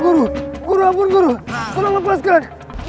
guru guru abun guru kurang lepaskan